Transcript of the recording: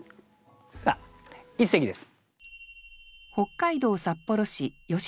さあ一席です。